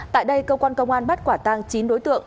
tại đây công an tp sóc trăng bắt quả tang chín đối tượng